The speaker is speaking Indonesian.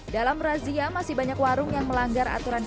dalam razia masih banyak warung yang melanggar aturan